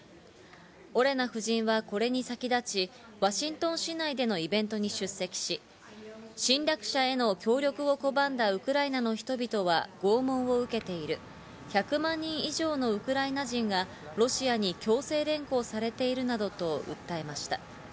オレナ夫人はこれに先立ち、ワシントン市内でのイベントに出席し、侵略者への協力を拒んだウクライナの人々は拷問を受けている、１００万人以上のウクライナ人がロシアに強制連行されているなどと訴えました。